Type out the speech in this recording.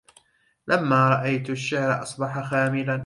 لما رأيت الشعر أصبح خاملا